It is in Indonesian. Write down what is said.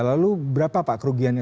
lalu berapa pak kerugiannya